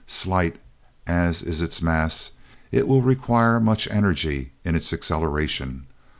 Slight as is its mass, it will require much energy in its acceleration.